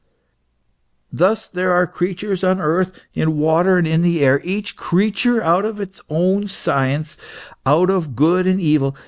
" Thus are the creatures on the earth, in the water, and in the air, each creature out of its own science, out of good and evil.